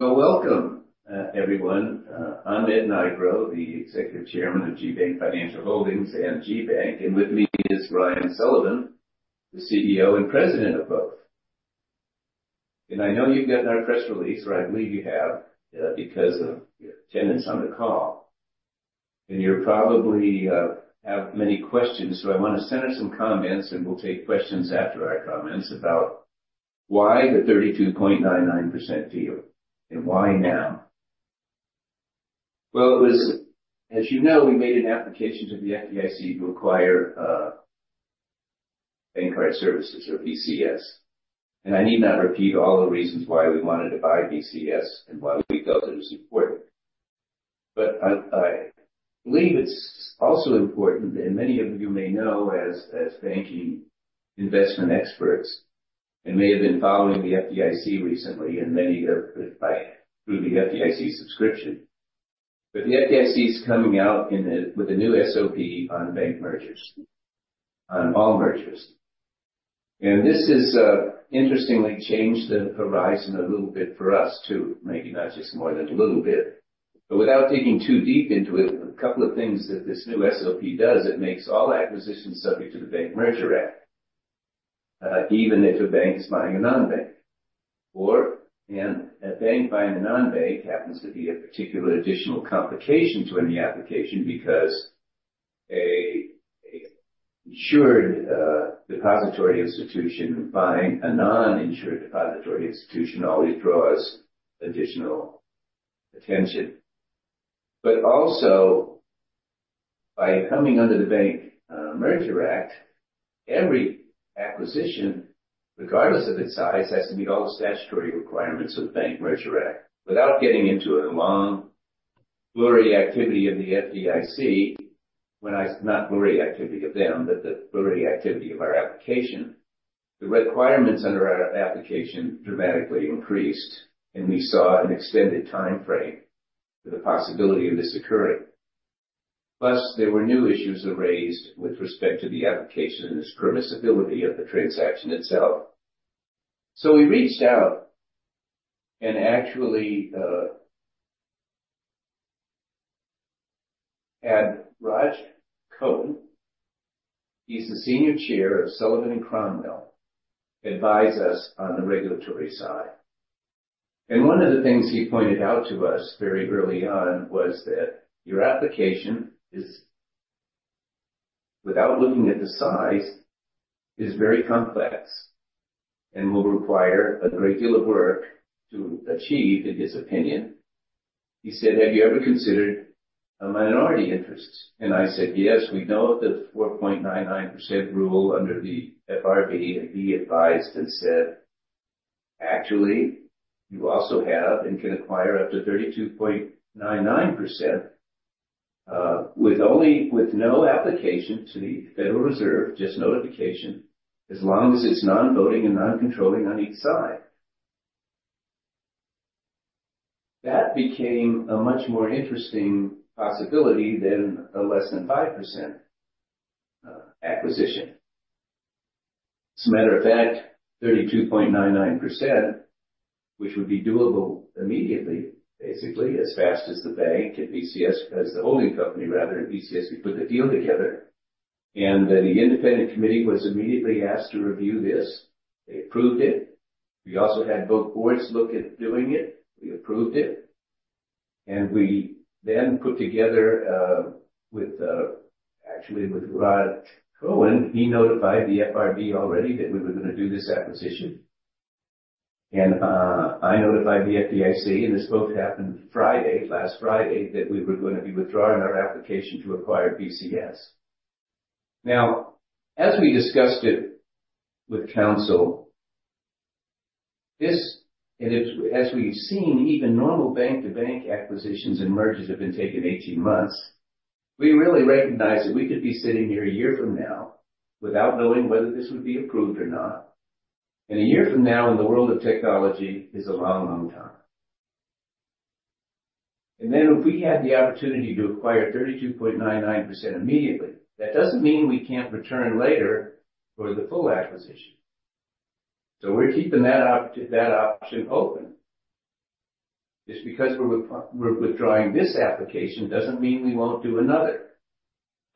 Well, welcome, everyone. I'm Ed Nigro, the Executive Chairman of GBank Financial Holdings and GBank, and with me is Ryan Sullivan, the CEO and President of both. And I know you've gotten our press release, or I believe you have, because of your attendance on the call, and you probably have many questions. So I want to center some comments, and we'll take questions after our comments about why the 32.99% deal, and why now? Well, it was, as you know, we made an application to the FDIC to acquire BankCard Services or BCS. And I need not repeat all the reasons why we wanted to buy BCS and why we felt it was important. But I believe it's also important, and many of you may know as banking investment experts, and may have been following the FDIC recently and many of you by through the FDIC subscription. But the FDIC is coming out with a new SOP on bank mergers, on all mergers. And this has interestingly changed the horizon a little bit for us, too. Maybe not just more than a little bit. But without digging too deep into it, a couple of things that this new SOP does, it makes all acquisitions subject to the Bank Merger Act, even if a bank is buying a non-bank. And a bank buying a non-bank happens to be a particular additional complication to any application because an insured depository institution buying a non-insured depository institution always draws additional attention. But also by coming under the Bank Merger Act, every acquisition, regardless of its size, has to meet all the statutory requirements of the Bank Merger Act. Without getting into a long, laundry list of activities of the FDIC, when I—not laundry list of them, but the laundry list of our application, the requirements under our application dramatically increased, and we saw an extended timeframe for the possibility of this occurring. Plus, there were new issues raised with respect to the application and its permissibility of the transaction itself. So we reached out and actually had Rodgin Cohen, he's the senior chair of Sullivan & Cromwell, advise us on the regulatory side. And one of the things he pointed out to us very early on was that your application is, without looking at the size, is very complex and will require a great deal of work to achieve, in his opinion. He said, "Have you ever considered a minority interest?" And I said, "Yes, we know of the 4.99% rule under the FRB." And he advised and said, "Actually, you also have and can acquire up to 32.99%, with no application to the Federal Reserve, just notification, as long as it's non-voting and non-controlling on each side." That became a much more interesting possibility than a less than 5%, acquisition. As a matter of fact, 32.99%, which would be doable immediately, basically as fast as the bank and BCS, as the holding company, rather, and BCS, we put the deal together, and the independent committee was immediately asked to review this. They approved it. We also had both boards look at doing it. We approved it, and we then put together, actually with Rodgin Cohen. He notified the FRB already that we were going to do this acquisition. And I notified the FDIC, and this both happened Friday, last Friday, that we were going to be withdrawing our application to acquire BCS. Now, as we discussed it with counsel, this, and as we've seen, even normal bank-to-bank acquisitions and mergers have been taking 18 months. We really recognize that we could be sitting here a year from now without knowing whether this would be approved or not, and a year from now in the world of technology is a long, long time. And then, if we had the opportunity to acquire 32.99% immediately, that doesn't mean we can't return later for the full acquisition. So we're keeping that option open. Just because we're withdrawing this application, doesn't mean we won't do another.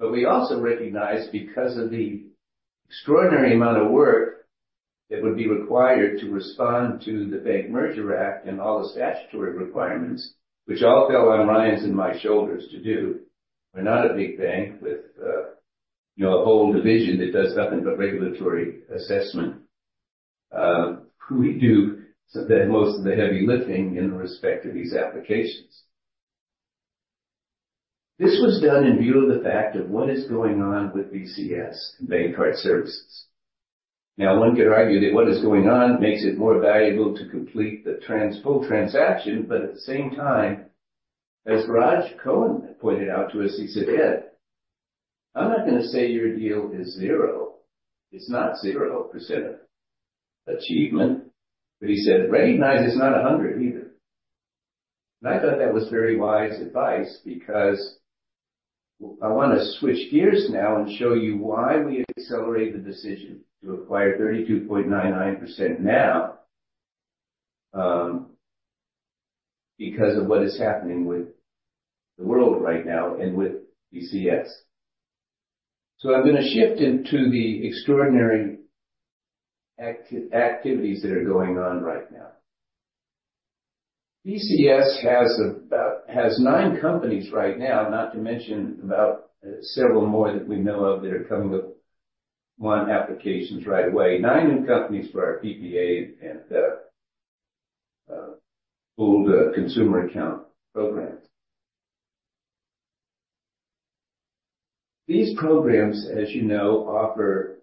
But we also recognize because of the extraordinary amount of work that would be required to respond to the Bank Merger Act and all the statutory requirements, which all fell on Ryan's and my shoulders to do. We're not a big bank with, you know, a whole division that does nothing but regulatory assessment. We do so the most of the heavy lifting in respect to these applications. This was done in view of the fact of what is going on with BCS, BankCard Services. Now, one could argue that what is going on makes it more valuable to complete the full transaction, but at the same time, as Rodgin Cohen pointed out to us, he said, "Ed, I'm not going to say your deal is zero. It's not 0% achievement." But he said, "Recognize it's not 100% either." And I thought that was very wise advice because I want to switch gears now and show you why we accelerated the decision to acquire 32.99% now, because of what is happening with the world right now and with BCS. So I'm going to shift into the extraordinary activities that are going on right now. BCS has about--has nine companies right now, not to mention about, several more that we know of that are coming with new applications right away. nine new companies for our PPA and, pooled consumer account programs. These programs, as you know, offer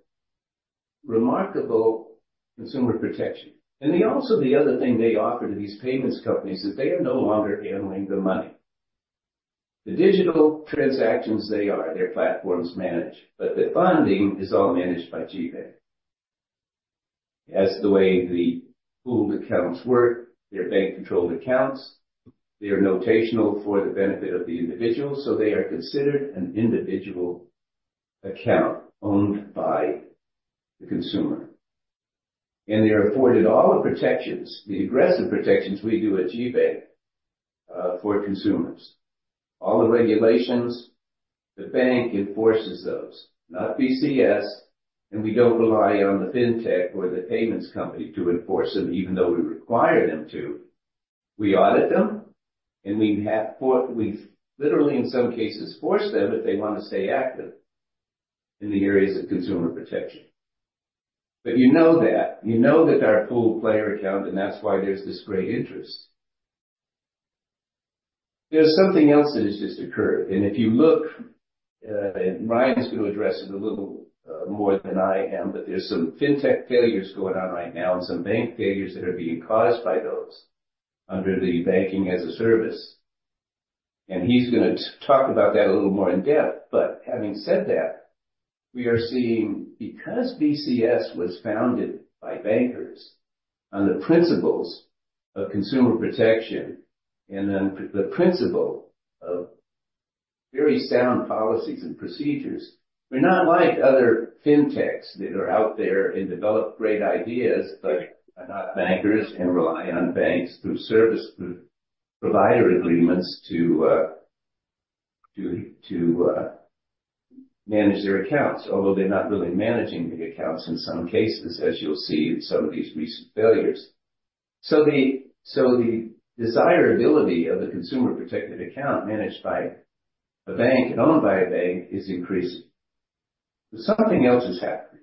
remarkable consumer protection, and they also, the other thing they offer to these payments companies, is they are no longer handling the money. The digital transactions, they are, their platforms manage, but the funding is all managed by GBank. That's the way the pooled accounts work. They're bank-controlled accounts. They are notional for the benefit of the individual, so they are considered an individual account owned by the consumer. And they are afforded all the protections, the aggressive protections we do at GBank, for consumers. All the regulations, the bank enforces those, not BCS, and we don't rely on the fintech or the payments company to enforce them, even though we require them to. We audit them, and we've literally, in some cases, forced them, if they want to stay active in the areas of consumer protection. But you know that. You know that they're a pooled player account, and that's why there's this great interest. There's something else that has just occurred, and if you look, and Ryan's going to address it a little, more than I am, but there's some fintech failures going on right now and some bank failures that are being caused by those under the banking-as-a-service. And he's going to talk about that a little more in depth. But having said that, we are seeing because VCS was founded by bankers on the principles of consumer protection and on the principle of very sound policies and procedures, we're not like other fintechs that are out there and develop great ideas but are not bankers, and rely on banks through service, through provider agreements to manage their accounts, although they're not really managing the accounts in some cases, as you'll see in some of these recent failures. So the desirability of the consumer-protected account managed by a bank and owned by a bank is increasing. But something else has happened.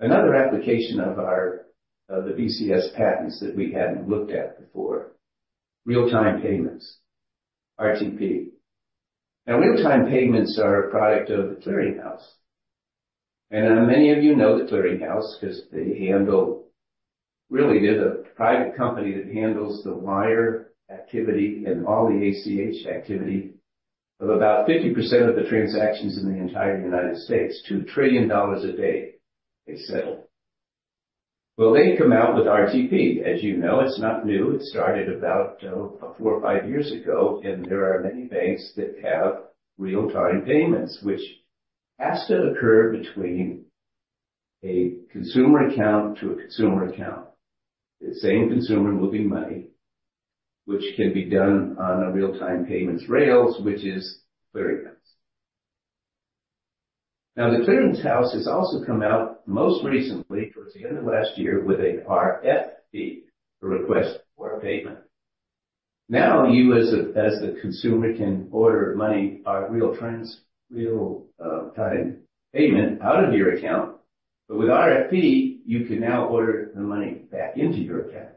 Another application of our VCS patents that we hadn't looked at before, real-time payments, RTP. Now, real-time payments are a product of The Clearing House. Many of you know the Clearing House because they handle, really, they're the private company that handles the wire activity and all the ACH activity of about 50% of the transactions in the entire United States. $2 trillion a day, they settle. Well, they come out with RTP. As you know, it's not new. It started about four or five years ago, and there are many banks that have real-time payments, which has to occur between a consumer account to a consumer account. The same consumer moving money, which can be done on a real-time payments rails, which is Clearing House. Now, the Clearing House has also come out, most recently, towards the end of last year, with a RFP, a request for payment. Now, you, as the consumer, can order money, real-time payment out of your account. But with RFP, you can now order the money back into your account.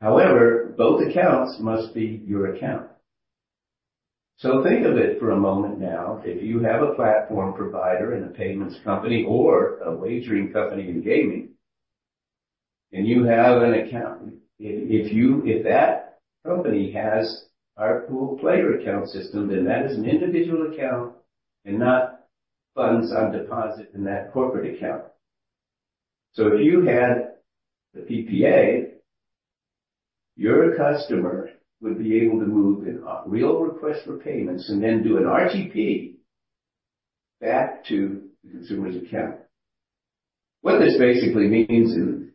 However, both accounts must be your account. So think of it for a moment now, if you have a platform provider and a payments company or a wagering company in gaming, and you have an account, if that company has our pooled player account system, then that is an individual account and not funds on deposit in that corporate account. So if you had the PPA, your customer would be able to move in a real request for payments and then do an RTP back to the consumer's account. What this basically means in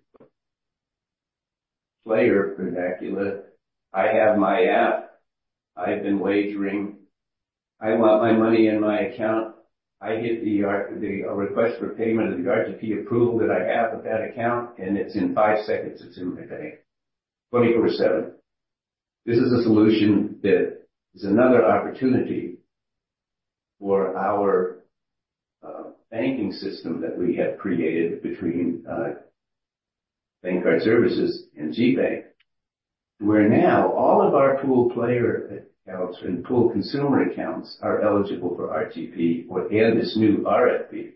player vernacular, I have my app, I've been wagering. I want my money in my account. I hit the request for payment, or the RTP approval that I have with that account, and it's in five seconds, it's in my bank, 24/7. This is a solution that is another opportunity for our banking system that we have created between BankCard Services and GBank, where now all of our pooled player accounts and pooled consumer accounts are eligible for RTP or this new RFP.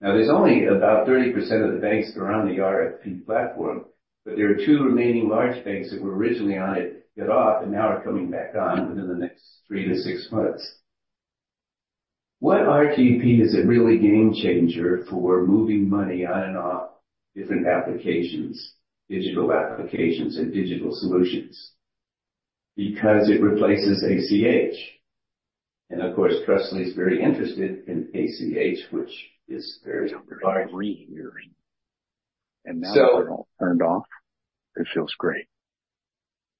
Now, there's only about 30% of the banks that are on the RFP platform, but there are two remaining large banks that were originally on it, got off, and now are coming back on within the next three to six months. Why RTP is a really game changer for moving money on and off different applications, digital applications and digital solutions? Because it replaces ACH. Of course, Trustly is very interested in ACH, which is very- Now they're all turned off. It feels great.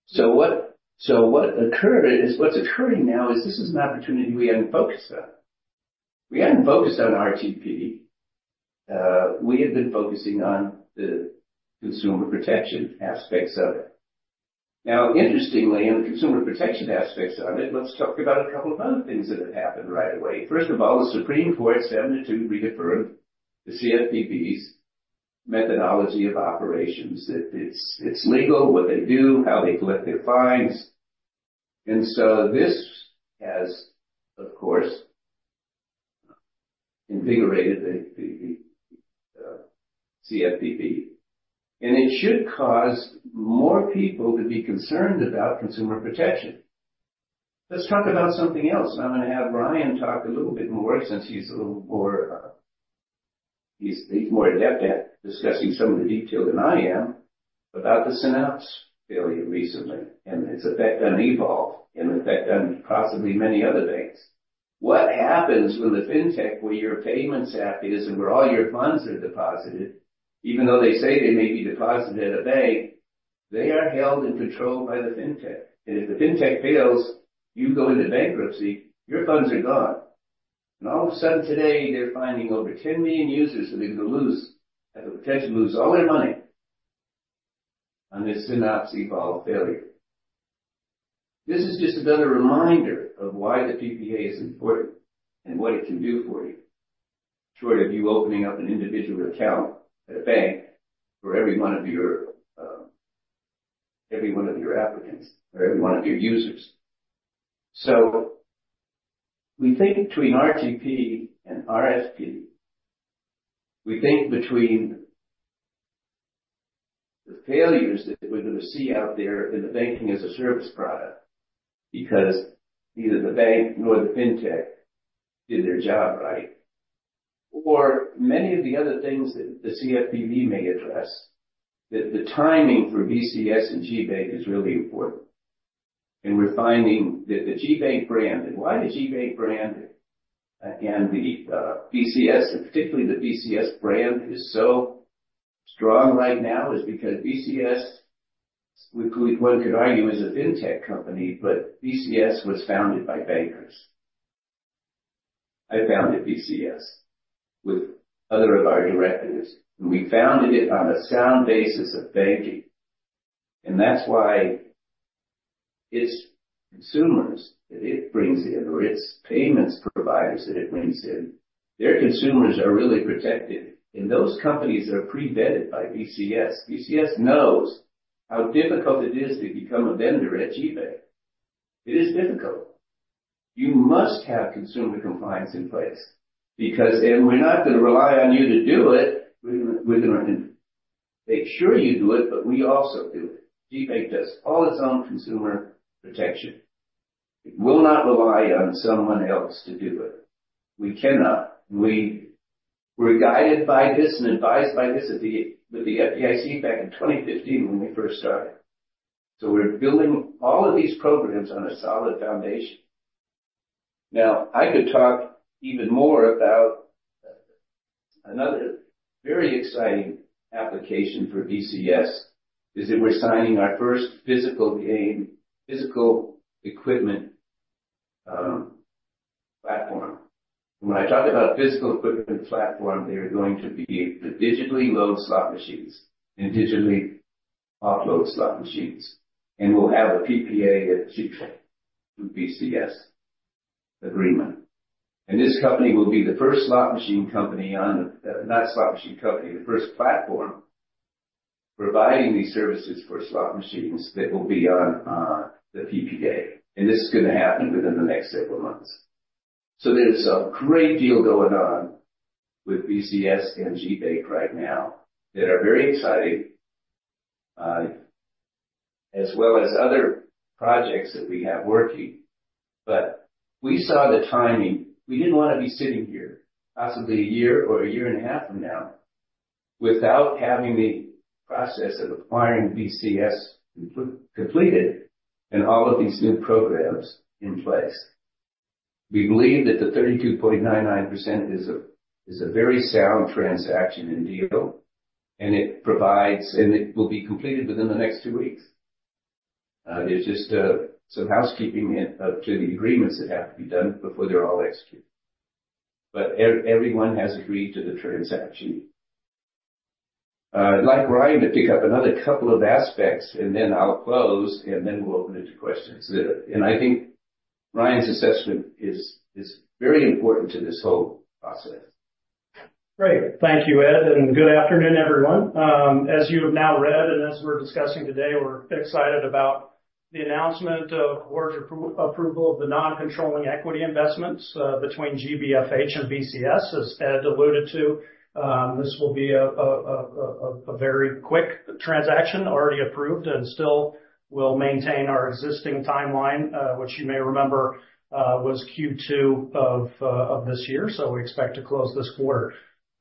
So what occurred is what's occurring now is this is an opportunity we hadn't focused on. We hadn't focused on RTP. We had been focusing on the consumer protection aspects of it. Now, interestingly, on the consumer protection aspects of it, let's talk about a couple of other things that have happened right away. First of all, the Supreme Court, seven-two, deferred the CFPB's methodology of operations, that it's legal, what they do, how they collect their fines. And so this has, of course, invigorated the CFPB, and it should cause more people to be concerned about consumer protection. Let's talk about something else, and I'm going to have Ryan talk a little bit more since he's a little more, he's more adept at discussing some of the detail than I am about the Synapse failure recently and its effect on Evolve, and effect on possibly many other banks. What happens when the fintech, where your payments app is and where all your funds are deposited, even though they say they may be deposited at a bank, they are held and controlled by the fintech. And if the fintech fails, you go into bankruptcy, your funds are gone. And all of a sudden today, they're finding over 10 million users that are going to lose, have the potential to lose all their money on this Synapse Evolve failure. This is just another reminder of why the PPA is important and what it can do for you. Short of you opening up an individual account at a bank for every one of your every one of your applicants or every one of your users. So we think between RTP and RFP, we think between the failures that we're going to see out there in the banking-as-a-service product, because neither the bank nor the fintech did their job right, or many of the other things that the CFPB may address, that the timing for VCS and GBank is really important. And we're finding that the GBank brand, and why the GBank brand and the VCS, particularly the VCS brand, is so strong right now is because VCS, which one could argue, is a fintech company, but VCS was founded by bankers. I founded VCS with other of our directors, and we founded it on a sound basis of banking, and that's why its consumers that it brings in, or its payments providers that it brings in, their consumers are really protected. And those companies are pre-vetted by VCS. VCS knows how difficult it is to become a vendor at GBank. It is difficult. You must have consumer compliance in place because... And we're not going to rely on you to do it. We're gonna make sure you do it, but we also do it. GBank does all its own consumer protection. It will not rely on someone else to do it. We cannot. We were guided by this and advised by this with the FDIC back in 2015 when we first started. So we're building all of these programs on a solid foundation. Now, I could talk even more about another very exciting application for VCS, is that we're signing our first physical game, physical equipment platform. When I talk about physical equipment platform, they are going to be able to digitally load slot machines and digitally offload slot machines, and we'll have a PPA at GBank through VCS agreement. And this company will be the first slot machine company on the, not slot machine company, the first platform providing these services for slot machines that will be on the PPA, and this is going to happen within the next several months. So there's a great deal going on with VCS and GBank right now that are very exciting, as well as other projects that we have working. But we saw the timing. We didn't want to be sitting here possibly a year or a year and a half from now, without having the process of acquiring VCS completed and all of these new programs in place. We believe that the 32.99% is a, is a very sound transaction and deal, and it provides and it will be completed within the next two weeks. There's just some housekeeping to the agreements that have to be done before they're all executed. But everyone has agreed to the transaction. I'd like Ryan to pick up another couple of aspects, and then I'll close, and then we'll open it to questions. And I think Ryan's assessment is, is very important to this whole process. Great. Thank you, Ed, and good afternoon, everyone. As you have now read, and as we're discussing today, we're excited about the announcement of board approval of the non-controlling equity investments between GBFH and BCS. As Ed alluded to, this will be a very quick transaction, already approved and still will maintain our existing timeline, which you may remember, was Q2 of this year. So we expect to close this quarter.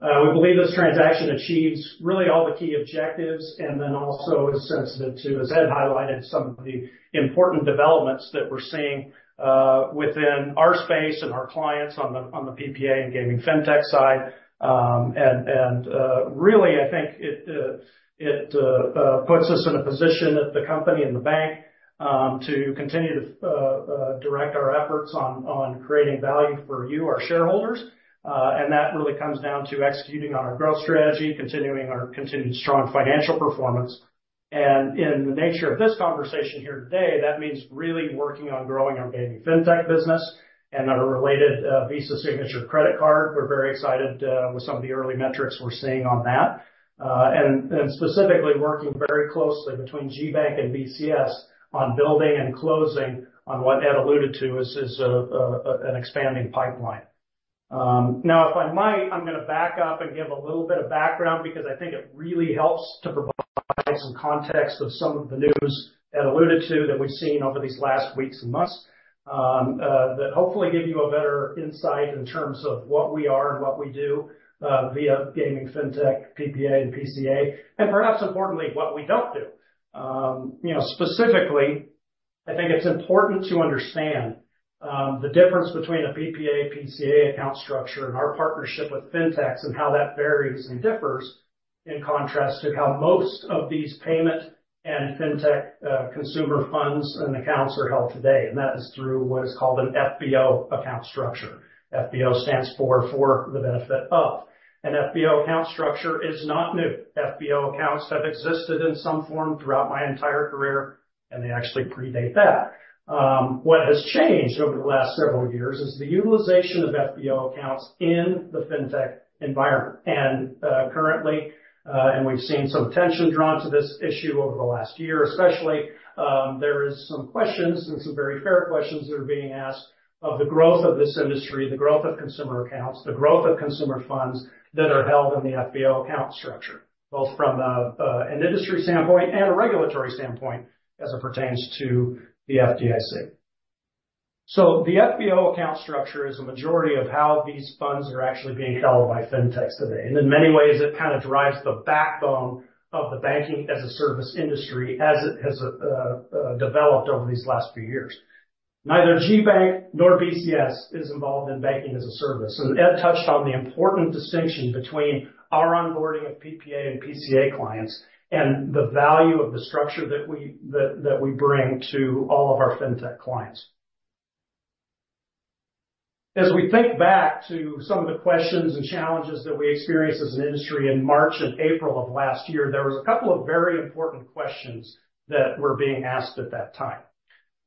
We believe this transaction achieves really all the key objectives and then also is sensitive to, as Ed highlighted, some of the important developments that we're seeing within our space and our clients on the PPA and gaming Fintech side. And really, I think it puts us in a position that the company and the bank to continue to direct our efforts on creating value for you, our shareholders. And that really comes down to executing on our growth strategy, continuing our continued strong financial performance. And in the nature of this conversation here today, that means really working on growing our gaming fintech business and our related Visa Signature Credit Card. We're very excited with some of the early metrics we're seeing on that. And specifically working very closely between GBank and BCS on building and closing on what Ed alluded to is an expanding pipeline. Now, if I might, I'm gonna back up and give a little bit of background because I think it really helps to provide some context of some of the news Ed alluded to that we've seen over these last weeks and months. That hopefully give you a better insight in terms of what we are and what we do via gaming FinTech, PPA, and PCA, and perhaps importantly, what we don't do. You know, specifically, I think it's important to understand the difference between a PPA, PCA account structure and our partnership with FinTechs, and how that varies and differs, in contrast to how most of these payment and FinTech consumer funds and accounts are held today, and that is through what is called an FBO account structure. FBO stands for, "for the benefit of." An FBO account structure is not new. FBO accounts have existed in some form throughout my entire career, and they actually predate that. What has changed over the last several years is the utilization of FBO accounts in the Fintech environment. Currently, and we've seen some attention drawn to this issue over the last year, especially, there is some questions, and some very fair questions that are being asked of the growth of this industry, the growth of consumer accounts, the growth of consumer funds that are held in the FBO account structure, both from an industry standpoint and a regulatory standpoint as it pertains to the FDIC. So the FBO account structure is a majority of how these funds are actually being held by Fintechs today. In many ways, it kind of drives the backbone of the banking as a service industry, as it has developed over these last few years. Neither GBank nor BCS is involved in banking as a service. So Ed touched on the important distinction between our onboarding of PPA and PCA clients, and the value of the structure that we, that, that we bring to all of our Fintech clients. As we think back to some of the questions and challenges that we experienced as an industry in March and April of last year, there was a couple of very important questions that were being asked at that time.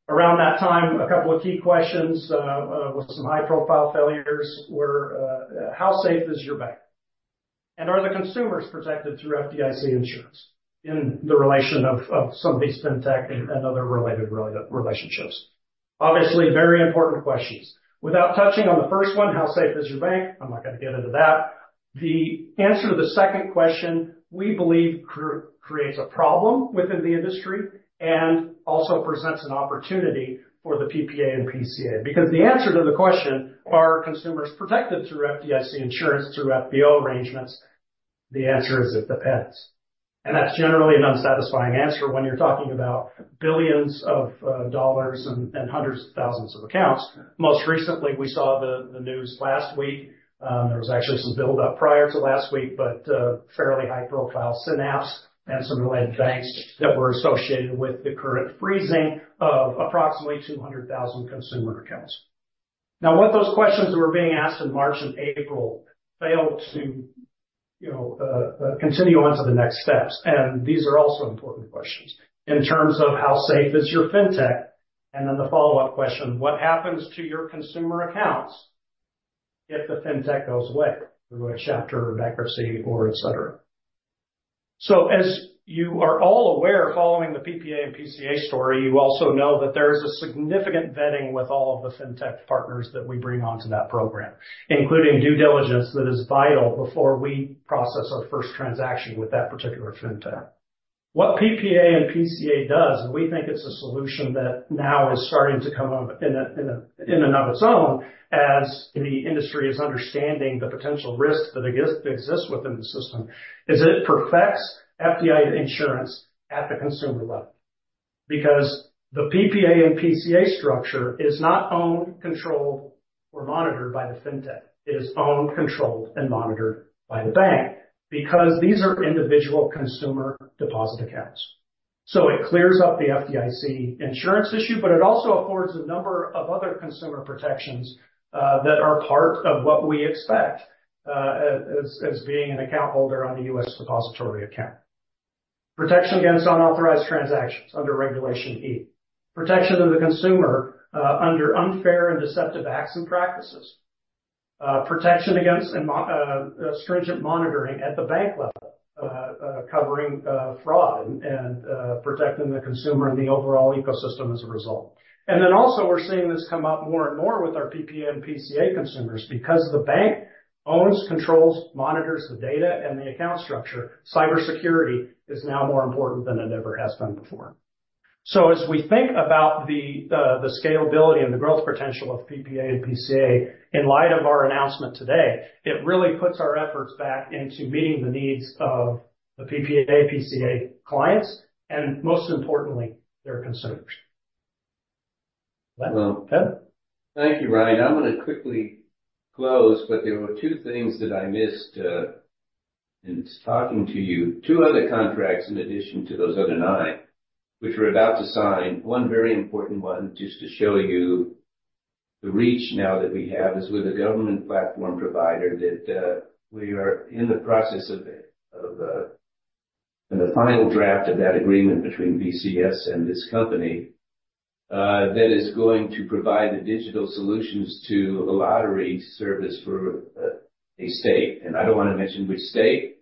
Around that time, a couple of key questions with some high-profile failures were, how safe is your bank? Are the consumers protected through FDIC insurance in relation to some of these Fintech and other related relationships? Obviously, very important questions. Without touching on the first one, how safe is your bank? I'm not gonna get into that. The answer to the second question, we believe creates a problem within the industry and also presents an opportunity for the PPA and PCA. Because the answer to the question, are consumers protected through FDIC insurance, through FBO arrangements? The answer is, it depends. And that's generally an unsatisfying answer when you're talking about billions of dollars and hundreds of thousands of accounts. Most recently, we saw the news last week. There was actually some build-up prior to last week, but, fairly high profile Synapse and some related banks that were associated with the current freezing of approximately 200,000 consumer accounts. Now, what those questions were being asked in March and April failed to, you know, continue on to the next steps, and these are also important questions. In terms of how safe is your Fintech, and then the follow-up question, what happens to your consumer accounts if the Fintech goes away through a chapter or bankruptcy or et cetera. As you are all aware, following the PPA and PCA story, you also know that there is a significant vetting with all of the Fintech partners that we bring onto that program, including due diligence that is vital before we process our first transaction with that particular Fintech. What PPA and PCA does, we think it's a solution that now is starting to come up in and of its own, as the industry is understanding the potential risks that exist within the system. It perfects FDIC insurance at the consumer level. Because the PPA and PCA structure is not owned, controlled, or monitored by the Fintech. It is owned, controlled, and monitored by the bank, because these are individual consumer deposit accounts. So it clears up the FDIC insurance issue, but it also affords a number of other consumer protections that are part of what we expect as being an account holder on the U.S. depository account. Protection against unauthorized transactions under Regulation E. Protection of the consumer under unfair and deceptive acts and practices. protection against and stringent monitoring at the bank level, covering fraud and protecting the consumer and the overall ecosystem as a result. And then also, we're seeing this come up more and more with our PPA and PCA consumers, because the bank owns, controls, monitors the data and the account structure, cybersecurity is now more important than it ever has been before. So as we think about the scalability and the growth potential of PPA and PCA, in light of our announcement today, it really puts our efforts back into meeting the needs of the PPA, PCA clients, and most importantly, their consumers. Ed? Thank you, Ryan. I'm going to quickly close, but there were two things that I missed, in talking to you. Two other contracts in addition to those other nine, which we're about to sign. One very important one, just to show you the reach now that we have, is with a government platform provider that, we are in the process of, of, in the final draft of that agreement between BCS and this company, that is going to provide the digital solutions to a lottery service for, a state. I don't want to mention which state,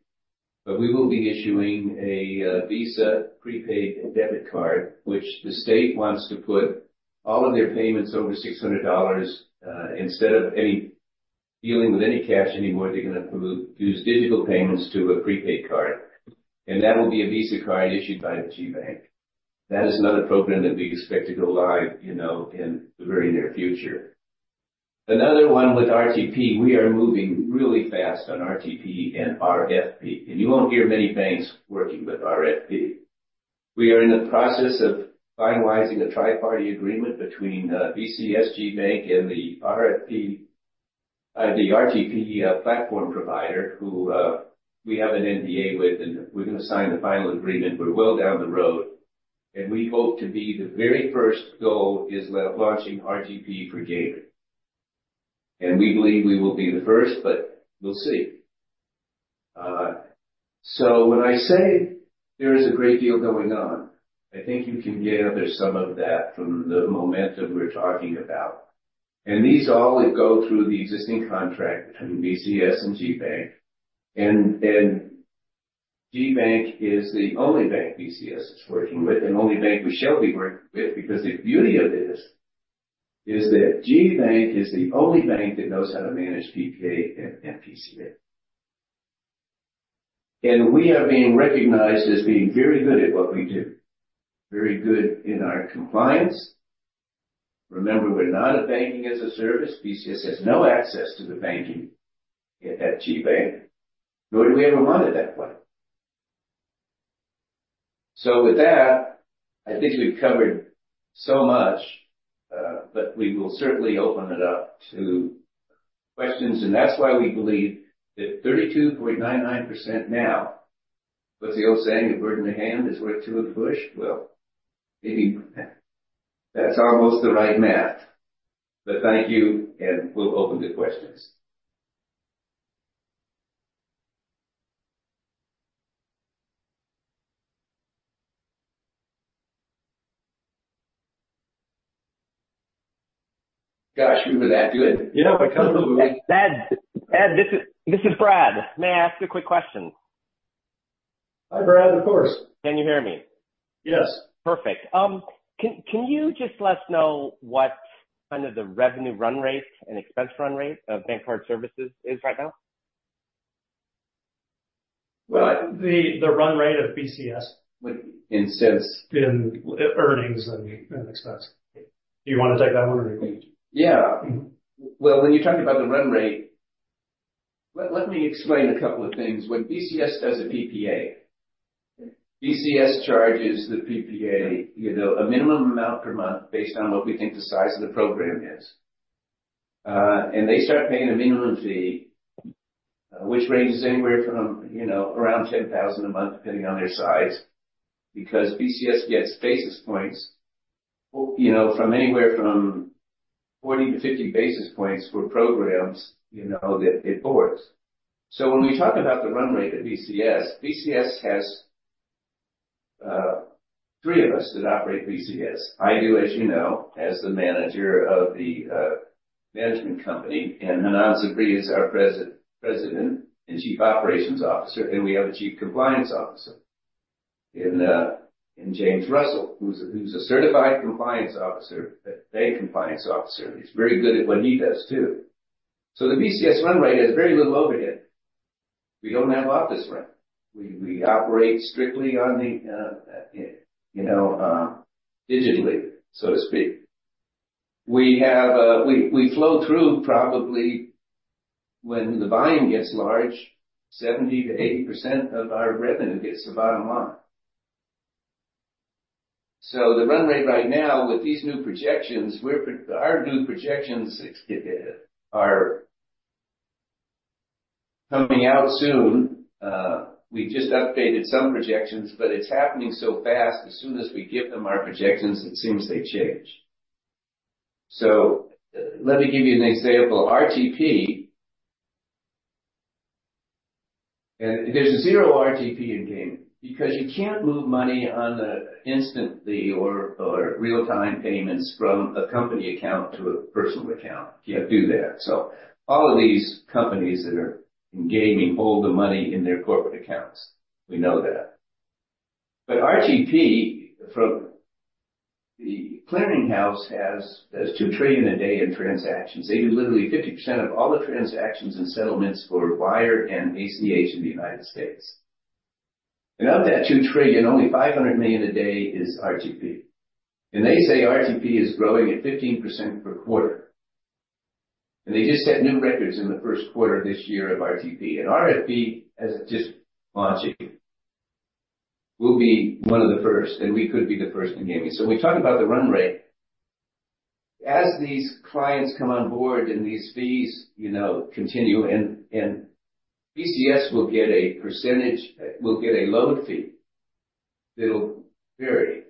but we will be issuing a Visa prepaid debit card, which the state wants to put all of their payments over $600, instead of dealing with any cash anymore. They're going to use digital payments to a prepaid card, and that will be a Visa card issued by GBank. That is another program that we expect to go live, you know, in the very near future. Another one with RTP, we are moving really fast on RTP and RFP, and you won't hear many banks working with RFP. We are in the process of finalizing a triparty agreement between BCS, GBank, and the RFP, the RTP platform provider, who we have an NDA with, and we're going to sign the final agreement. We're well down the road, and we hope to be the very first. Goal is launching RTP for gaming. And we believe we will be the first, but we'll see. So when I say there is a great deal going on, I think you can gather some of that from the momentum we're talking about. And these all go through the existing contract between BCS and GBank. And GBank is the only bank BCS is working with and only bank we shall be working with, because the beauty of this is that GBank is the only bank that knows how to manage PPA and PCA. And we are being recognized as being very good at what we do, very good in our compliance. Remember, we're not a banking-as-a-service. BCS has no access to the banking at GBank, nor do we ever want it that way. So with that, I think we've covered so much, but we will certainly open it up to questions. And that's why we believe that 32.99% now. What's the old saying? A bird in the hand is worth two in the bush. Well, maybe that's almost the right math, but thank you, and we'll open to questions. Gosh, we were that good. You know, because- Ed, this is Brad. May I ask you a quick question? Hi, Brad. Of course. Can you hear me? Yes. Perfect. Can you just let us know what kind of the revenue run rate and expense run rate of BankCard Services is right now? Well, the run rate of BCS- Would, in sense- In earnings and expense. Do you want to take that one, or me? Yeah. Well, when you're talking about the run rate, let me explain a couple of things. When BCS does a PPA, BCS charges the PPA, you know, a minimum amount per month based on what we think the size of the program is. And they start paying a minimum fee, which ranges anywhere from, you know, around $10,000 a month, depending on their size, because BCS gets basis points, you know, from anywhere from 40-50 basis points for programs, you know, that it boards. So when we talk about the run rate at BCS, BCS has three of us that operate BCS. I do, as you know, as the manager of the management company, and Hanan Sabri is our President and Chief Operations Officer, and we have a Chief Compliance Officer in James Russell, who's a certified compliance officer, a compliance officer. He's very good at what he does, too. So the BCS run rate has very little overhead. We don't have office rent. We operate strictly on the, you know, digitally, so to speak. We flow through probably when the volume gets large, 70%-80% of our revenue gets to bottom line. So the run rate right now with these new projections, we're, our new projections are coming out soon. We just updated some projections, but it's happening so fast. As soon as we give them our projections, it seems they change. So let me give you an example. RTP... And there's zero RTP in gaming, because you can't move money instantly or real-time payments from a company account to a personal account. You can't do that. So all of these companies that are in gaming hold the money in their corporate accounts. We know that. But RTP, from the Clearing House, has $2 trillion a day in transactions. They do literally 50% of all the transactions and settlements for wire and ACH in the United States. And of that $2 trillion, only $500 million a day is RTP. And they say RTP is growing at 15% per quarter. And they just set new records in the first quarter of this year of RTP, and RFP, as just launching, will be one of the first, and we could be the first in gaming. So when we talk about the run rate, as these clients come on board and these fees, you know, continue, and BCS will get a percentage, will get a load fee that'll vary,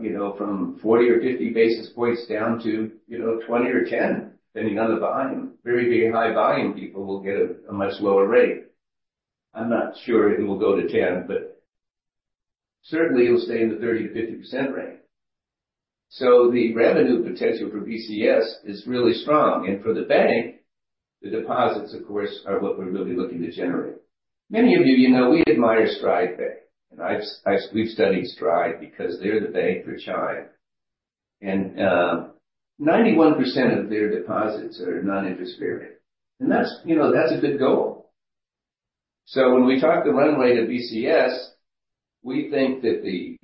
you know, from 40 or 50 basis points down to, you know, 20 or 10, depending on the volume. Very high volume people will get a much lower rate. I'm not sure it will go to 10, but certainly it'll stay in the 30%-50% range. So the revenue potential for BCS is really strong. And for the bank, the deposits, of course, are what we're really looking to generate. Many of you, you know, we admire Stride Bank, and I've, we've studied Stripe because they're the bank for Chime, and 91% of their deposits are non-interest bearing. And that's, you know, that's a good goal. So when we talk the runway to BCS, we think that the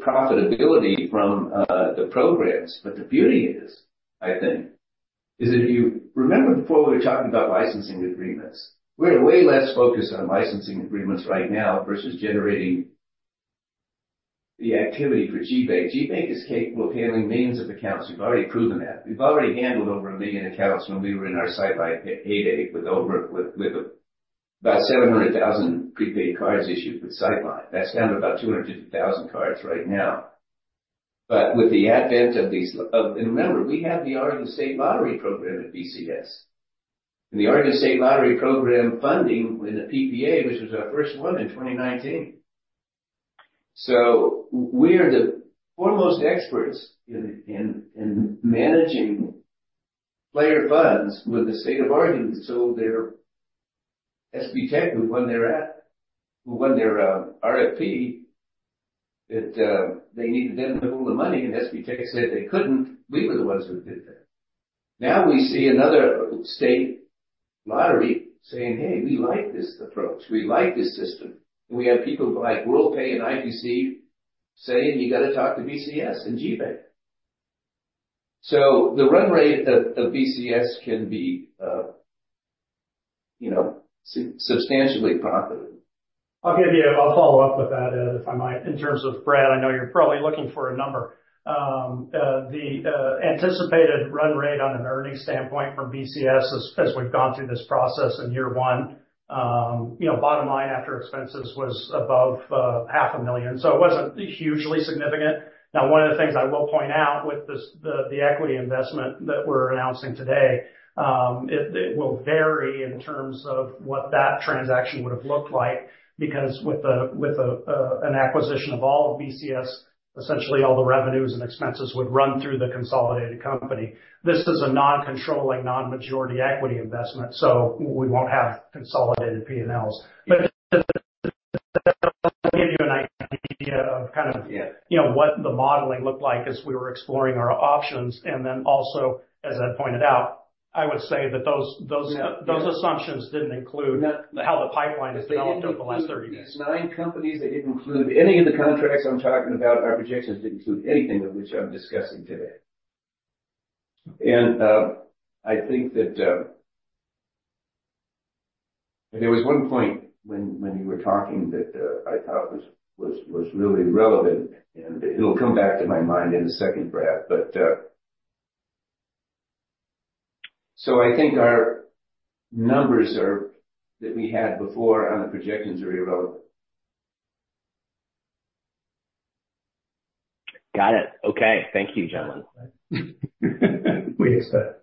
profitability from the programs, but the beauty is, I think, is if you remember before we were talking about licensing agreements. We're way less focused on licensing agreements right now versus generating the activity for GBank. GBank is capable of handling millions of accounts. We've already proven that. We've already handled over 1 million accounts when we were in our Sightline heyday, with over about 700,000 prepaid cards issued with Sightline. That's down to about 250,000 cards right now. But with the advent of these. And remember, we have the Arkansas State Lottery program at BCS, and the Arkansas State Lottery program funding with a PPA, which was our first one in 2019. So we are the foremost experts in managing player funds with the state of Arkansas, who sold their SBTech, who won their app, who won their RFP, that they needed them to hold the money, and SBTech said they couldn't. We were the ones who did that. Now, we see another state lottery saying, "Hey, we like this approach. We like this system." And we have people like Worldpay and I2C saying, "You got to talk to BCS and GBank." So the run rate of BCS can be, you know, substantially profitable. I'll give you. I'll follow up with that, Ed, if I might. In terms of Brad, I know you're probably looking for a number. The anticipated run rate on an earnings standpoint from BCS as we've gone through this process in year one, you know, bottom line, after expenses was above half a million, so it wasn't hugely significant. Now, one of the things I will point out with this, the equity investment that we're announcing today, it will vary in terms of what that transaction would have looked like, because with a, with a, an acquisition of all of BCS, essentially all the revenues and expenses would run through the consolidated company. This is a non-controlling, non-majority equity investment, so we won't have consolidated PNLs. But to give you an idea of kind of $500,000. Yeah. You know, what the modeling looked like as we were exploring our options. And then also, as I pointed out, I would say that those assumptions didn't include how the pipeline has developed over the last 30 days. These nine companies that didn't include any of the contracts I'm talking about, our projections didn't include anything of which I'm discussing today. And, I think that... And there was one point when you were talking that I thought was really relevant, and it'll come back to my mind in a second, Brad, but... So I think our numbers, that we had before on the projections, are irrelevant. Got it. Okay. Thank you, gentlemen. We accept.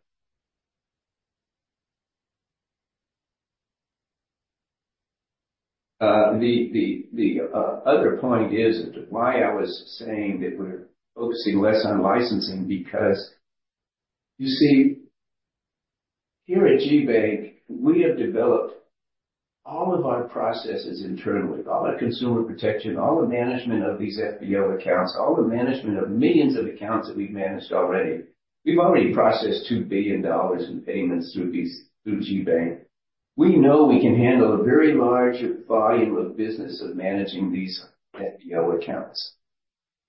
The other point is why I was saying that we're focusing less on licensing, because, you see, here at GBank, we have developed all of our processes internally, all our consumer protection, all the management of these FBO accounts, all the management of millions of accounts that we've managed already. We've already processed $2 billion in payments through these, through GBank. We know we can handle a very large volume of business of managing these FBO accounts.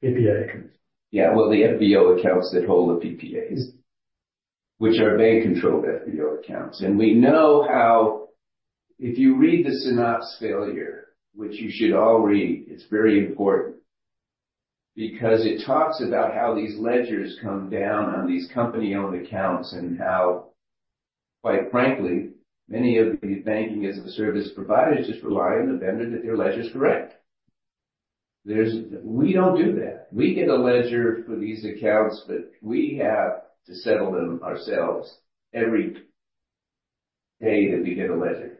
PPA accounts. Yeah, well, the FBO accounts that hold the PPAs, which are bank-controlled FBO accounts. And we know how... If you read the Synapse failure, which you should all read, it's very important, because it talks about how these ledgers come down on these company-owned accounts and how, quite frankly, many of the banking-as-a-service providers just rely on the vendor that their ledger's correct.... There's-- We don't do that. We get a ledger for these accounts, but we have to settle them ourselves every day that we get a ledger.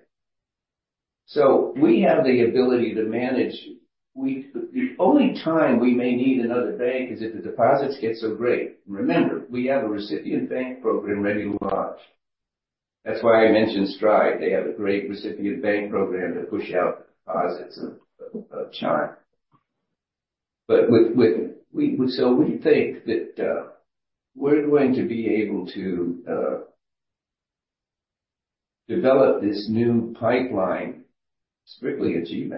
So we have the ability to manage. We-- The only time we may need another bank is if the deposits get so great. Remember, we have a recipient bank program ready to launch. That's why I mentioned Stripe. They have a great recipient bank program to push out deposits of Chime. So we think that we're going to be able to develop this new pipeline strictly ACH.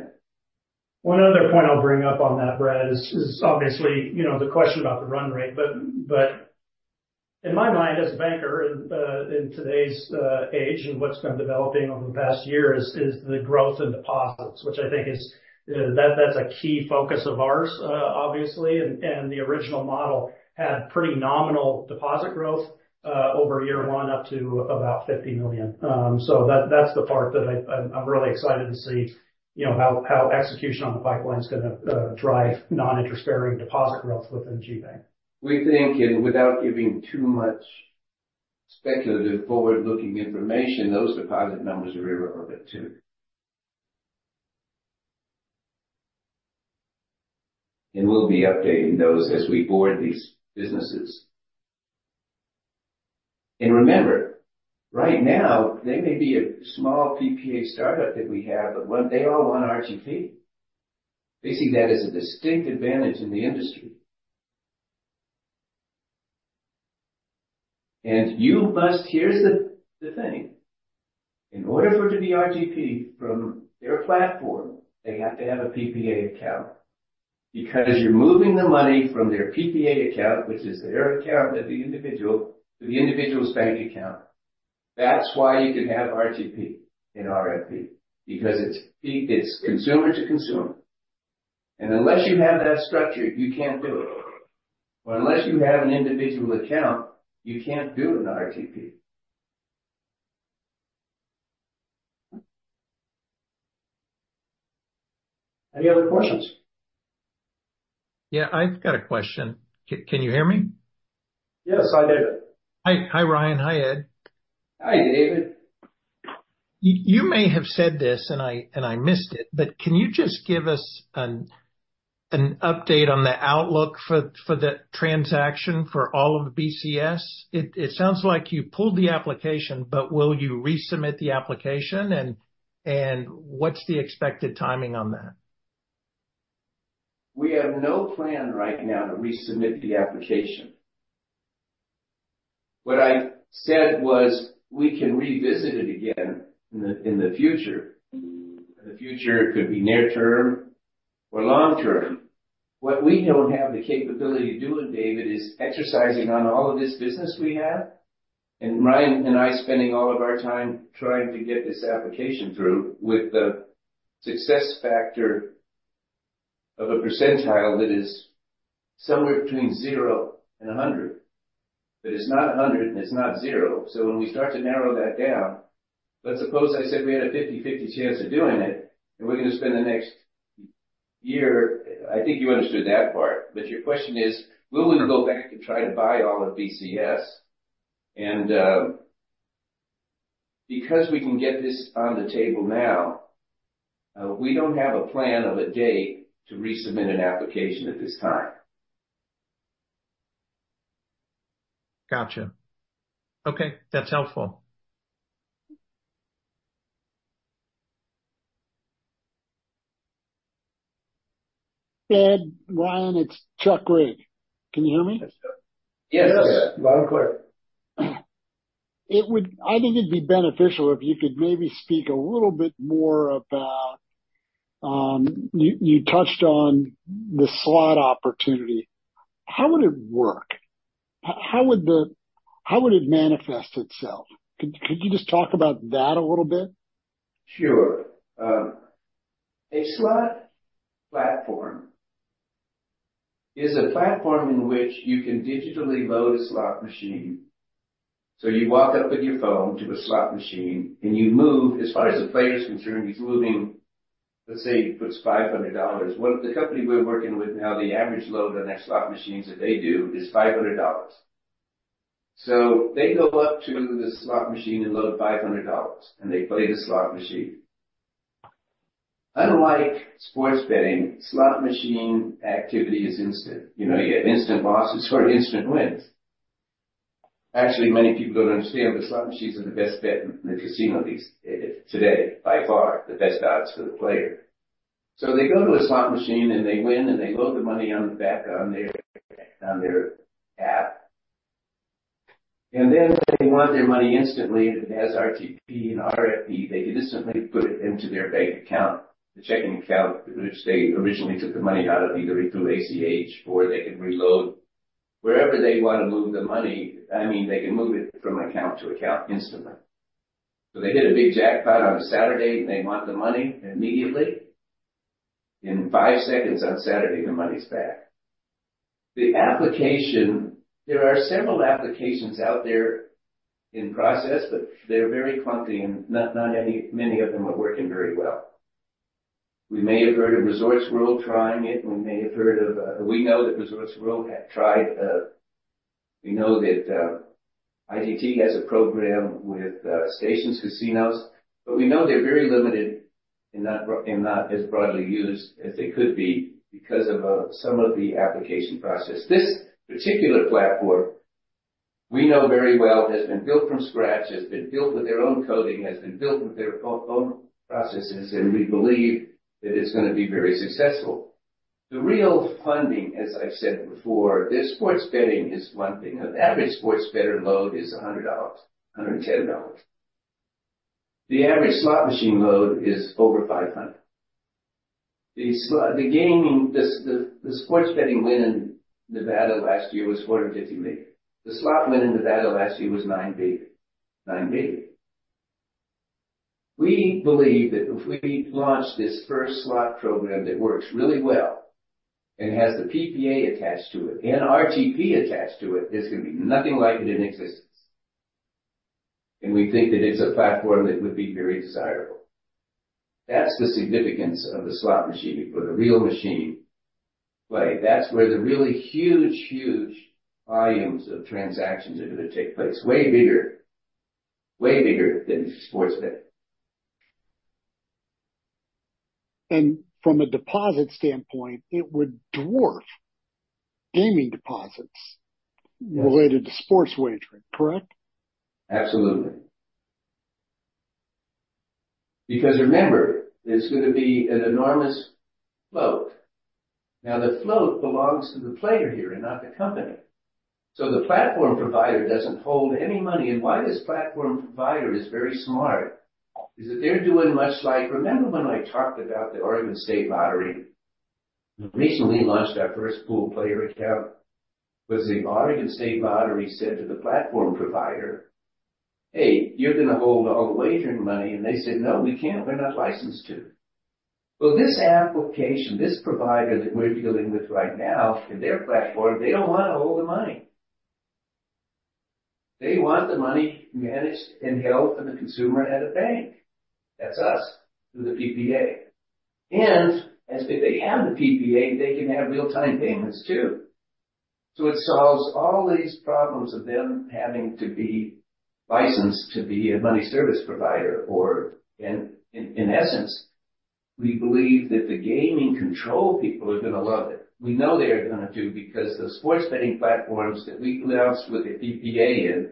One other point I'll bring up on that, Brad, is obviously, you know, the question about the run rate. But in my mind, as a banker in today's age, and what's been developing over the past year is the growth in deposits, which I think is that, that's a key focus of ours, obviously. And the original model had pretty nominal deposit growth over year one, up to about $50 million. So that, that's the part that I'm really excited to see, you know, how execution on the pipeline is gonna drive non-interest-bearing deposit growth within GBank. We think, and without giving too much speculative forward-looking information, those deposit numbers are irrelevant, too. And we'll be updating those as we board these businesses. And remember, right now, they may be a small PPA startup that we have, but what-- they all want RTP. They see that as a distinct advantage in the industry. And you must... Here's the, the thing: In order for it to be RTP from their platform, they have to have a PPA account, because you're moving the money from their PPA account, which is their account of the individual, to the individual's bank account. That's why you can have RTP in RFP, because it's p- it's consumer to consumer, and unless you have that structure, you can't do it. Well, unless you have an individual account, you can't do an RTP. Any other questions? Yeah, I've got a question. Can you hear me? Yes, hi, David. Hi. Hi, Ryan. Hi, Ed. Hi, David. You may have said this, and I missed it, but can you just give us an update on the outlook for the transaction for all of the BCS? It sounds like you pulled the application, but will you resubmit the application, and what's the expected timing on that? We have no plan right now to resubmit the application. What I said was, we can revisit it again in the, in the future. The future could be near term or long term. What we don't have the capability of doing, David, is exercising on all of this business we have, and Ryan and I spending all of our time trying to get this application through with the success factor of a percentile that is somewhere between zero and 100. But it's not 100, and it's not zero. So when we start to narrow that down... But suppose I said we had a 50/50 chance of doing it, and we're going to spend the next year. I think you understood that part, but your question is, will we go back to try to buy all of BCS? Because we can get this on the table now, we don't have a plan of a date to resubmit an application at this time. Gotcha. Okay, that's helpful. Ed, Ryan, it's Chuck Reed. Can you hear me? Yes, Chuck. Yes, loud and clear. It would, I think it'd be beneficial if you could maybe speak a little bit more about, you touched on the slot opportunity. How would it work? How would it manifest itself? Could you just talk about that a little bit? Sure. A slot platform is a platform in which you can digitally load a slot machine. So you walk up with your phone to a slot machine. As far as the player is concerned, he's moving, let's say, he puts $500. Well, the company we're working with now, the average load on their slot machines that they do is $500. So they go up to the slot machine and load $500, and they play the slot machine. Unlike sports betting, slot machine activity is instant. You know, you get instant losses or instant wins. Actually, many people don't understand, but slot machines are the best bet in the casino these days. By far, the best odds for the player. So they go to a slot machine, and they win, and they load the money on the back, on their app. And then, when they want their money instantly as RTP and RFP, they can instantly put it into their bank account, the checking account, which they originally took the money out of, either through ACH or they can reload. Wherever they want to move the money, I mean, they can move it from account to account instantly. So they hit a big jackpot on a Saturday, and they want the money immediately, in five seconds on Saturday, the money's back. The application, there are several applications out there in process, but they're very clunky and not many of them are working very well. We may have heard of Resorts World trying it. We may have heard of, we know that Resorts World had tried, we know that, IGT has a program with, Station Casinos, but we know they're very limited and not as broadly used as they could be because of, some of the application process. This particular platform, we know very well, has been built from scratch, has been built with their own coding, has been built with their own processes, and we believe that it's going to be very successful. The real funding, as I've said before, the sports betting is one thing. The average sports bettor load is $100, $110. The average slot machine load is over $500. The slot... The gaming, the, the sports betting win in Nevada last year was $450 million. The slot win in Nevada last year was $9 billion. $9 billion. We believe that if we launch this first slot program that works really well and has the PPA attached to it and RTP attached to it, there's going to be nothing like it in existence. And we think that it's a platform that would be very desirable. That's the significance of the slot machine for the real machine play. That's where the really huge, huge volumes of transactions are going to take place. Way bigger, way bigger than sports betting. From a deposit standpoint, it would dwarf gaming deposits- Yes. related to sports wagering, correct? Absolutely. Because remember, there's going to be an enormous float. Now, the float belongs to the player here and not the company, so the platform provider doesn't hold any money. And why this platform provider is very smart, is that they're doing much like... Remember when I talked about the Oregon State Lottery? The reason we launched our first pooled player account, was the Oregon State Lottery said to the platform provider, "Hey, you're going to hold all the wagering money." And they said, "No, we can't. We're not licensed to." Well, this application, this provider that we're dealing with right now, in their platform, they don't want to hold the money. They want the money managed and held for the consumer at a bank. That's us, through the PPA. And as if they have the PPA, they can have real-time payments, too. So it solves all these problems of them having to be licensed to be a money service provider or... In essence, we believe that the gaming control people are going to love it. We know they're going to do, because the sports betting platforms that we announced with the PPA in,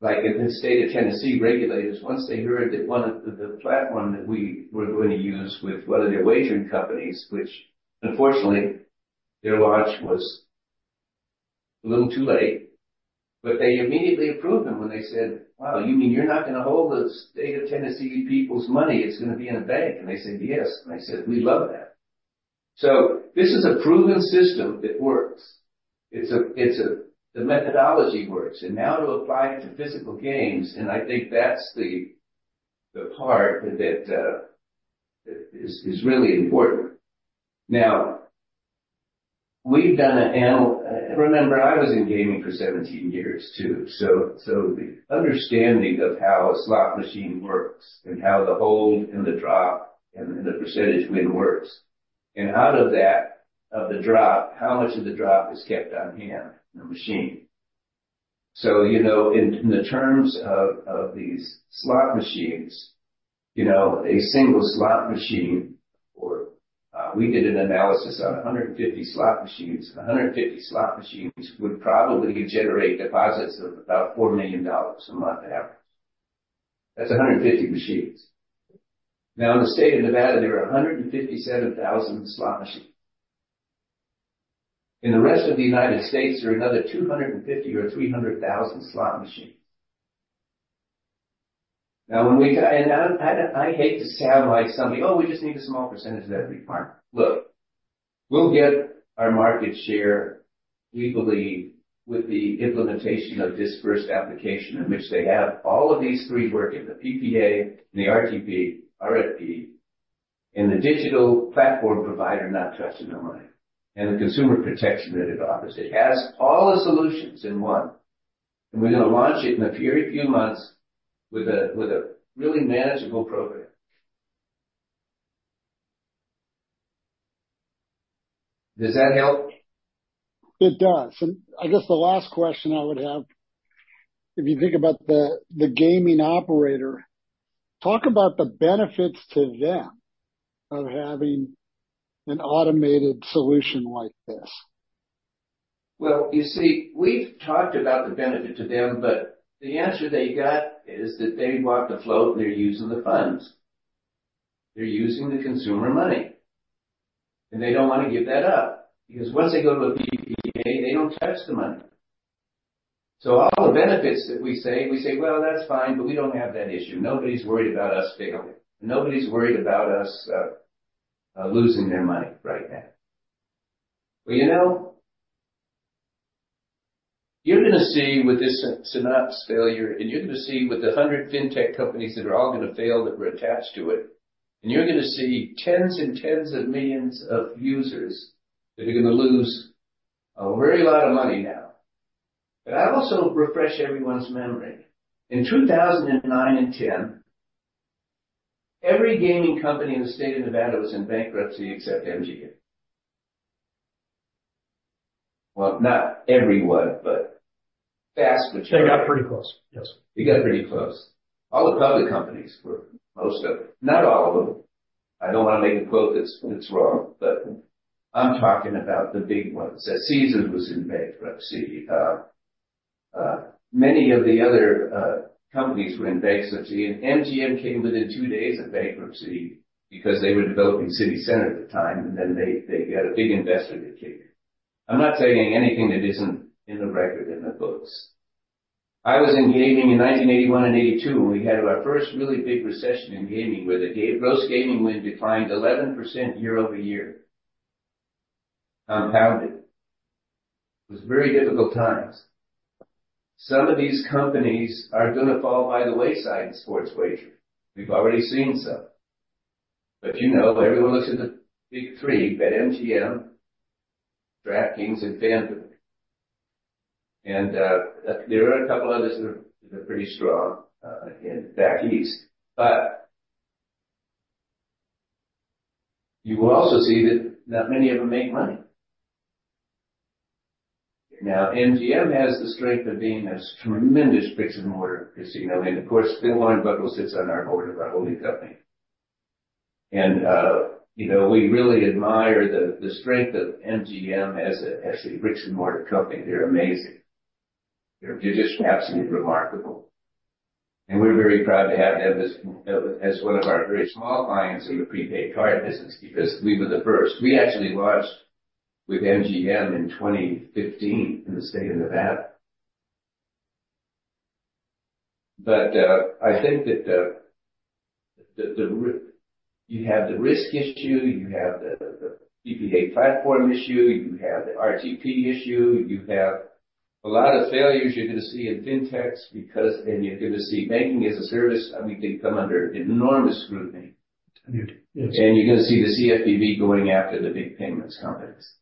like in the state of Tennessee, regulators, once they heard that one of the platform that we were going to use with one of the wagering companies, which unfortunately, their launch was a little too late, but they immediately approved them when they said, "Wow, you mean you're not going to hold the state of Tennessee people's money? It's going to be in a bank." And they said, "Yes." And they said, "We love that." So this is a proven system that works. It's a, it's a - the methodology works, and now to apply it to physical games, and I think that's the, the part that, that is, is really important. Now, Remember, I was in gaming for 17 years, too, so, so the understanding of how a slot machine works and how the hold and the drop and the percentage win works, and out of that, of the drop, how much of the drop is kept on hand in the machine. So, you know, in, in the terms of, of these slot machines, you know, a single slot machine or, we did an analysis on 150 slot machines. 150 slot machines would probably generate deposits of about $4 million a month on average. That's 150 machines. Now, in the state of Nevada, there are 157,000 slot machines. In the rest of the United States, there are another 250,000 or 300,000 slot machines. Now, when we and I hate to sound like somebody, "Oh, we just need a small percentage of that to be part." Look, we'll get our market share legally with the implementation of this first application, in which they have all of these three working, the PPA and the RTP, RFP, and the digital platform provider not trusting their money, and the consumer protection that it offers. It has all the solutions in one, and we're going to launch it in a very few months with a really manageable program. Does that help? It does. And I guess the last question I would have, if you think about the gaming operator, talk about the benefits to them of having an automated solution like this. Well, you see, we've talked about the benefit to them, but the answer they got is that they want the float, and they're using the funds. They're using the consumer money, and they don't want to give that up, because once they go to a PPA, they don't touch the money. So all the benefits that we say, we say, "Well, that's fine, but we don't have that issue. Nobody's worried about us failing. Nobody's worried about us losing their money right now." Well, you know... You're gonna see with this Synapse failure, and you're gonna see with the 100 Fintech companies that are all gonna fail, that were attached to it, and you're gonna see tens and tens of millions of users that are gonna lose a very lot of money now. But I'll also refresh everyone's memory. In 2009 and 2010, every gaming company in the state of Nevada was in bankruptcy except MGM. Well, not everyone, but vast majority. They got pretty close. Yes. They got pretty close. All the public companies were, most of them, not all of them. I don't want to make a quote that's, that's wrong, but I'm talking about the big ones. Caesars was in bankruptcy. Many of the other companies were in bankruptcy, and MGM came within two days of bankruptcy because they were developing CityCenter at the time, and then they, they got a big investor that came in. I'm not telling anything that isn't in the record, in the books. I was in gaming in 1981 and 1982, when we had our first really big recession in gaming, where the gross gaming win declined 11% year-over-year, compounded. It was very difficult times. Some of these companies are gonna fall by the wayside in sports wagering. We've already seen some, but, you know, everyone looks at the big three, BetMGM, DraftKings, and FanDuel. And there are a couple others that are, that are pretty strong in back east, but you will also see that not many of them make money. Now, MGM has the strength of being this tremendous bricks-and-mortar casino, and of course, Bill Hornbuckle sits on our board of our holding company. And, you know, we really admire the strength of MGM as a bricks-and-mortar company. They're amazing. They're just absolutely remarkable, and we're very proud to have them as one of our very small clients in the prepaid card business, because we were the first. We actually launched with MGM in 2015 in the state of Nevada. But, I think that you have the risk issue, you have the PCA platform issue, you have the RTP issue, you have a lot of failures you're gonna see in fintechs because... And you're gonna see banking as a service, I mean, they come under enormous scrutiny. Yes. And you're gonna see the CFPB going after the big payments companies.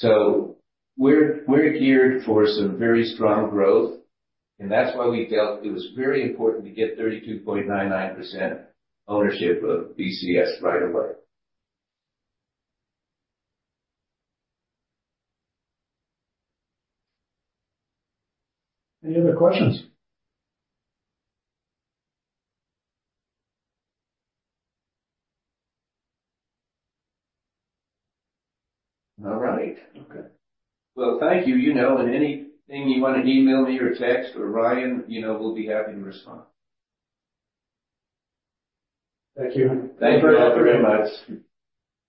So we're, we're geared for some very strong growth, and that's why we felt it was very important to get 32.99% ownership of BCS right away. Any other questions? All right. Okay. Well, thank you, you know, and anything you want to email me or text or Ryan, you know, we'll be happy to respond. Thank you. Thank you all very much.